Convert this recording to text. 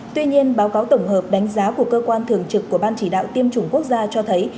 tuy nhiên báo cáo tổng hợp đánh giá của cơ quan thường trực của ban chỉ đạo tiêm chủng quốc gia cho thấy